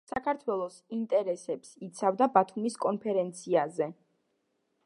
საქართველოს ინტერესებს იცავდა ბათუმის კონფერენციაზე.